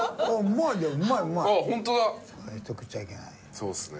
そうですね。